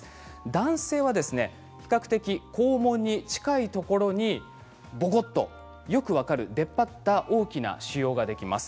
男性は比較的肛門に近いところにぼこっとよく分かる出っ張った大きな腫瘍ができます。